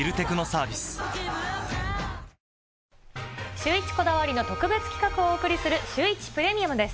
シューイチこだわりの特別企画をお送りするシューイチプレミアムです。